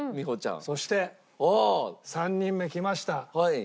そして３人目きました。